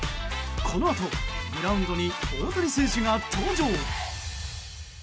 このあとグラウンドに大谷選手が登場。